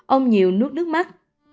ông nhiều nuốt nước mắt